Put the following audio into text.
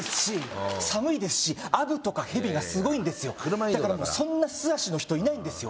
車移動だからそんな素足の人いないんですよ